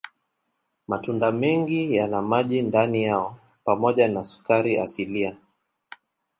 Matunda mengi yana maji ndani yao pamoja na sukari asilia.